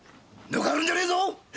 抜かるんじゃねえぞ！